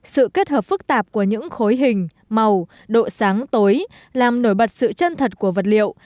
sự kết hợp phức tạp của những khối hình màu độ sáng tối làm nổi bật sự chân thật của vật liệu